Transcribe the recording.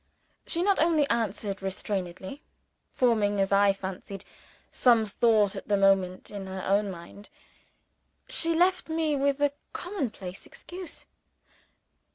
She not only answered restrainedly (forming, as I fancied, some thought at the moment in her own mind) she left me, with a commonplace excuse.